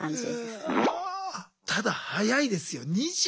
ただ早いですよ。